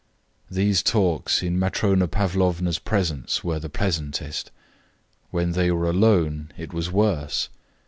These talks in Matrona Pavlovna's presence were the pleasantest. When they were alone it was worse.